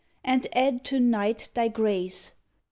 And add to night thy grace!